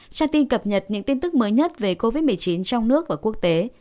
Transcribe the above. tra tin cập nhật những tin tức mới nhất về covid một mươi chín trong nước và quốc tế